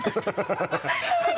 ハハハ